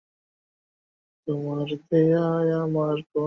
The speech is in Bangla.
প্রত্যেক বিছানার পাশে একটি করে বাক্সের মতো যন্ত্র, তার সঙ্গে অনেকগুলো তার।